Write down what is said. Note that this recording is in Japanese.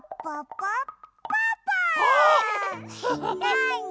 なに？